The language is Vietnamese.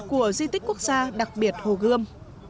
của di tích quốc gia đặc biệt hồ gươm